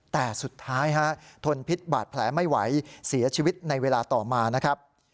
แต่สุดท้ายทนพิษบาดแผลไม่ไหวเสียชีวิตในเวลาต่อมานะครับ